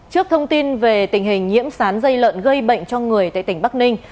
trước thông tin về tình hình nhiễm sán dây lợn gây bệnh cho người tại tỉnh bắc ninh